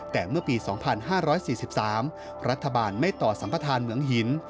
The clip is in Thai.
แต่เมื่อปี๒๕๔๓ประธบาลไม่ต่อสัมภาษณ์เหมืองหิน